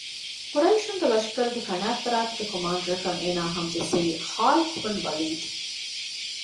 ޤުރައިޝުންގެ ލަޝްކަރުގެ ކަނާތްފަރާތުގެ ކޮމާންޑަރަކަށް އޭނާ ހަމަޖެއްސެވީ ޚާލިދުބުނުލް ވަލީދު